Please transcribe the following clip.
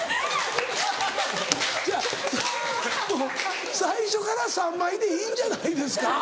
じゃあもう最初から３枚でいいんじゃないですか？